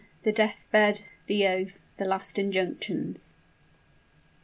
THE DEATH BED THE OATH THE LAST INJUNCTIONS.